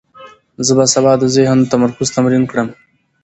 زه به سبا د ذهن تمرکز تمرین کړم.